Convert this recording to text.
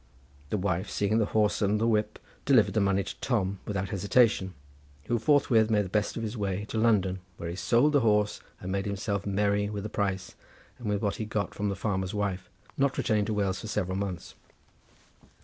The wife seeing the horse and the whip delivered the money to Tom without hesitation, who forthwith made the best of his way to London, where he sold the horse, and made himself merry with the price, and with what he got from the farmer's wife, not returning to Wales for several months.